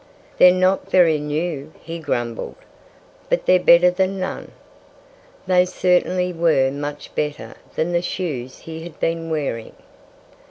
"They're not very new," he grumbled. "But they're better than none." They certainly were much better than the shoes he had been wearing.